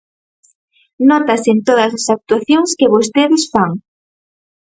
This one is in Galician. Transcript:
Nótase en todas as actuacións que vostedes fan.